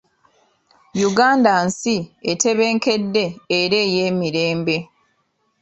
Uganda nsi etebenkedde era ey'emirembe.